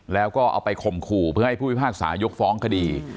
แล้วก็เอาไปข่มขู่เพื่อให้ผู้พิพากษายกฟ้องคดี